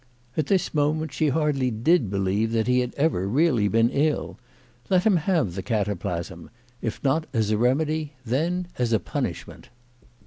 At this moment she hardly did believe that he had ever really been ill' Let him have the cataplasm ; if not as a remedy, then 216 CHRISTMAS AT THOMPSON HALL. as a punishment.